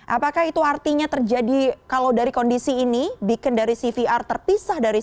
apakah itu artinya terjadi kalau dari kondisi ini bikin dari cvr terpisah dari cc